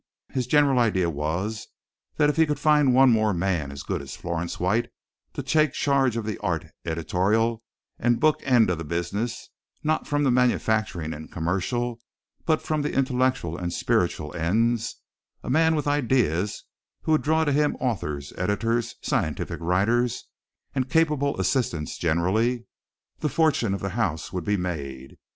His general idea was that if he could find one more man as good as Florence White to take charge of the art, editorial and book end of the business, not from the manufacturing and commercial, but from the intellectual and spiritual ends a man with ideas who would draw to him authors, editors, scientific writers and capable assistants generally the fortune of the house would be made.